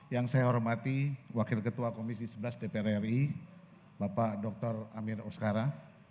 yang saya hormati wakil ketua komisi sebelas dpr ri bapak dr amir oskara